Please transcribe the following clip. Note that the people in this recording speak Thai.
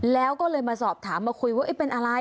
แล้วก็เลยมาสอบถามมาคุยว่าเป็นอะไร